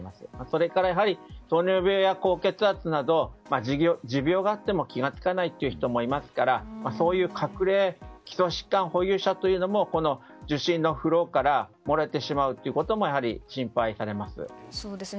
それから糖尿病や高血圧など持病があっても気が付かないいう人もいるのでそういう隠れ基礎疾患保有者もこの受診のフローから漏れてしまうことも心配されます。